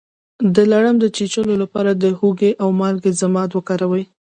د لړم د چیچلو لپاره د هوږې او مالګې ضماد وکاروئ